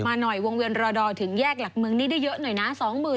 หน่อยวงเวียนรอดอถึงแยกหลักเมืองนี้ได้เยอะหน่อยนะ